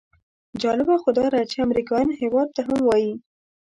جالبه خو داده چې امریکایان هېواد ته هم وایي.